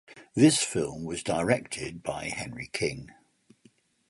This film was directed by Henry King.